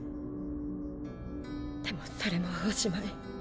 でもそれもおしまい。